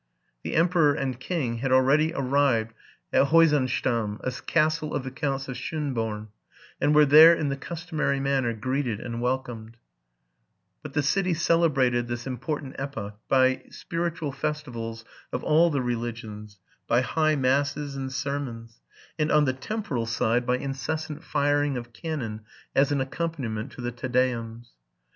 'The emperor and king had already arrived at Heusenstamm, a castle of the counts of Schonborn, and were there in the customary manner greeted and welcomed ; but the city celebrated this important epoch by spiritual festivals of all the religions, by high masses and sermons ; and, on the temporal side, by incessant firing of cannon as an accompaniment to the '' Te Deums."